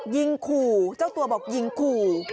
ยิงขู่เจ้าตัวบอกยิงขู่